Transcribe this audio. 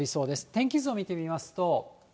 天気図を見てみますと。